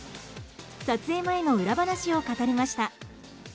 撮影前の裏話を語りました。